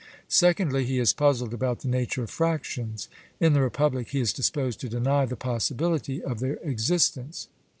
Secondly, he is puzzled about the nature of fractions: in the Republic, he is disposed to deny the possibility of their existence.